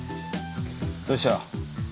どうした？